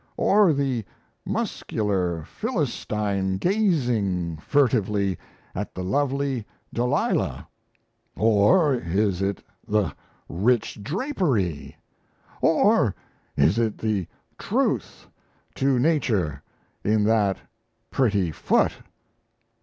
or the muscular Philistine gazing furtively at the lovely Delilah? or is it the rich drapery? or is it the truth to nature in that pretty foot?